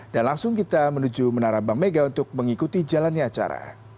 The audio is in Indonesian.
dan langsung kita menuju menara bank mega untuk mengikuti jalannya acara